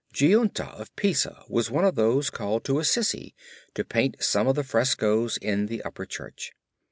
Giunta of Pisa was one of those called to Assisi to paint some of the frescoes in the upper church.